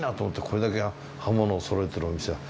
これだけ刃物をそろえてるお店は。